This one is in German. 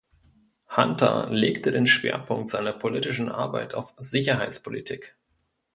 Hunter legte den Schwerpunkt seiner politischen Arbeit auf Sicherheitspolitik.